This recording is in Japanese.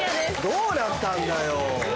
どうなったんだよ。